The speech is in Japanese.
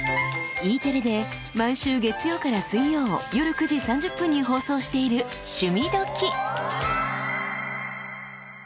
Ｅテレで毎週月曜から水曜夜９時３０分に放送している「趣味どきっ！」。